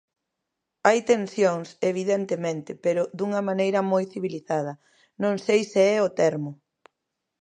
Hai tensións, evidentemente, pero dunha maneira moi civilizada, non sei se é o termo.